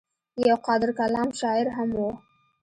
يو قادرالکلام شاعر هم وو